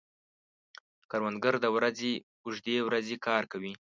کروندګر د ورځې اوږدې ورځې کار کوي